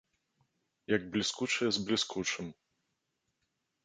Як бліскучае з бліскучым.